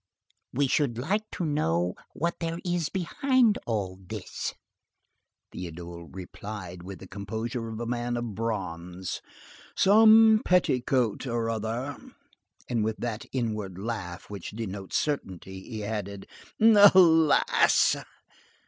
"We should like to know what there is behind all this." Théodule replied with the composure of a man of bronze:— "Some petticoat or other." And with that inward laugh which denotes certainty, he added:— "A lass."